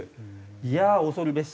いやあ恐るべし。